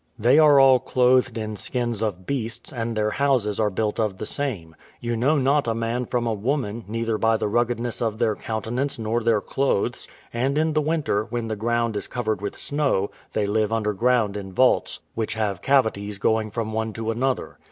They are all clothed in skins of beasts, and their houses are built of the same; you know not a man from a woman, neither by the ruggedness of their countenances nor their clothes; and in the winter, when the ground is covered with snow, they live underground in vaults, which have cavities going from one to another.